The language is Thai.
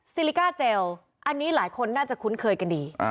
ลิกาเจลอันนี้หลายคนน่าจะคุ้นเคยกันดี